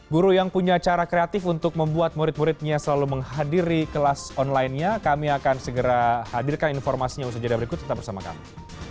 guru yang punya cara kreatif untuk membuat murid muridnya selalu menghadiri kelas onlinenya kami akan segera hadirkan informasinya usai jadwal berikut tetap bersama kami